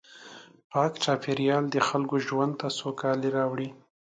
پاک چاپېریال د خلکو ژوند ته سوکالي راوړي.